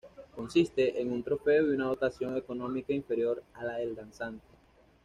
Consiste en un trofeo y una dotación económica inferior a la del Danzante.